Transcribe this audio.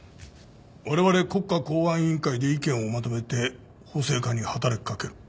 われわれ国家公安委員会で意見をまとめて法制化に働き掛ける。